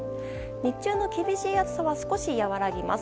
日中の厳しい暑さは少し和らぎます。